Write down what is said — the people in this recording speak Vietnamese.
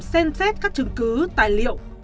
xem xét các chứng cứ tài liệu